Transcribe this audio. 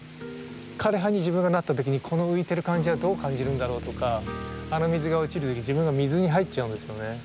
枯れ葉に自分がなった時にこの浮いてる感じはどう感じるんだろうとかあの水が落ちる時自分が水に入っちゃうんですよね。